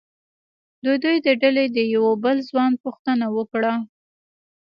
د دوی د ډلې د یوه بل ځوان پوښتنه وکړه.